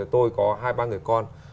tôi có hai ba người con